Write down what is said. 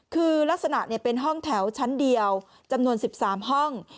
คือลักษณะเป็นห้องแถวชั้นเดียวจำนวน๑๓ห้อง